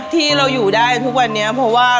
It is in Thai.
ที่เราอยู่ได้ทุกวันนี้เพราะว่า